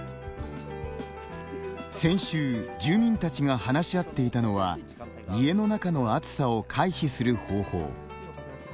先週住民たちが話し合っていたのは家の中の暑さを回避する方法。